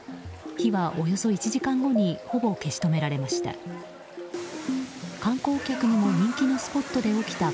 火は、およそ１時間後にほぼ消し止められました。